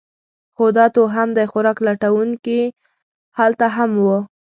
خو دا توهم دی؛ خوراک لټونکي هلته هم وو.